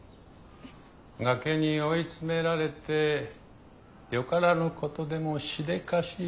崖に追い詰められてよからぬことでもしでかしそうな。